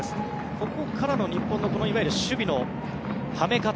ここからの日本の守備のはめ方。